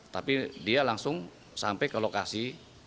tapi dia langsung sampai ke lokasi